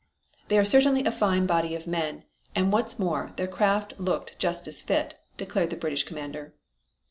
"They are certainly a fine body of men, and what's more, their craft looked just as fit," declared the British commander.